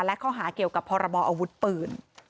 และข้อหาเกี่ยวกับพรบออาวุธปืน